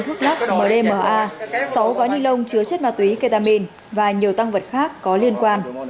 thuốc lắc mdma sáu gói ni lông chứa chất ma túy ketamine và nhiều tăng vật khác có liên quan